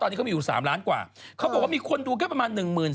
ก็ไม่รู้เพราะตอนนี้เขามีอยู่๓ล้านกว่า